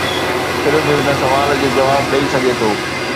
صرف هن سوال جو جواب ڏئي سگهي ٿو.